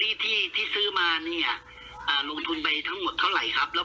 ละเราที่ซื้อมานี้อะอ่ะลงทุนไปทั้งหมดก็เลยครับ